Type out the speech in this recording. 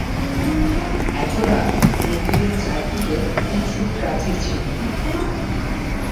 একদা মন্দিরের চারদিকে সুউচ্চ প্রাচীর ছিল।